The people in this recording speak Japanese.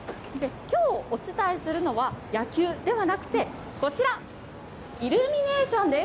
きょうお伝えするのは、野球ではなくて、こちら、イルミネーションです。